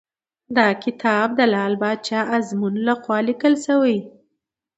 دا کتاب د لعل پاچا ازمون لخوا لیکل شوی .